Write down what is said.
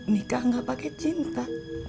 nikah gak pake cinta